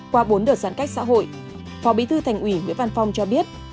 qua bốn đợt giãn cách xã hội phó bí thư thành ủy nguyễn văn phong cho biết